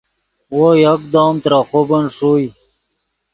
وو یکدم ترے خوبن ݰوئے